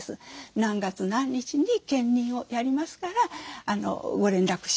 何月何日に検認をやりますからご連絡しますって。